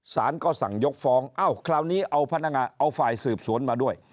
สารก็สั่งยกฟ้องอ้าวคราวนี้เอาฝ่ายสืบสวนมาด้วย